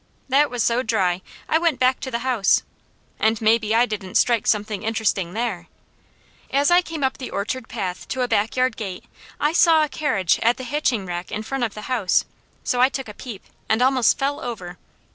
That was so dry I went back to the house. And maybe I didn't strike something interesting there! As I came up the orchard path to a back yard gate, I saw a carriage at the hitching rack in front of the house, so I took a peep and almost fell over.